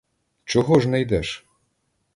Чого ж не йдеш?